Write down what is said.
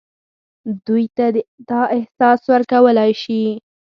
دوی ته دا احساس ورکولای شي.